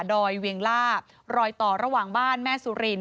อยเวียงล่ารอยต่อระหว่างบ้านแม่สุริน